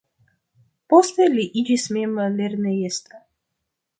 Poste li iĝis mem lernejestro.